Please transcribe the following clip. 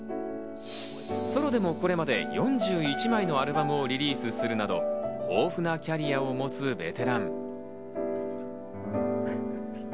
ソロでもこれまで４１枚のアルバムをリリースするなど、豊富なキャリアを持つベテラン。